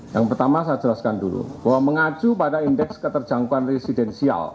yang pertama saya jelaskan dulu bahwa mengacu pada indeks keterjangkauan residensial